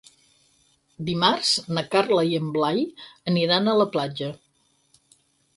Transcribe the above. Dimarts na Carla i en Blai aniran a la platja.